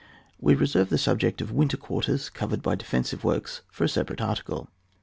We reserve the subject of winter quar ters, covered by defensive works for a separate article.